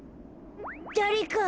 だれか。